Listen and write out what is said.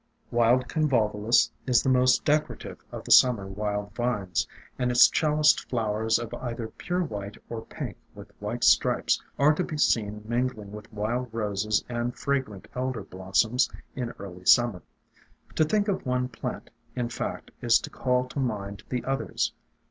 Wild Convolvulus is the most decorative of the Summer wild vines, and its chaliced flowers of either pure white or pink with white stripes are to be seen mingling with Wild Roses and fragrant Elder blossoms in early Summer. To think of one plant, in fact, is to call to mind the others.